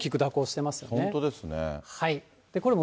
本当ですね。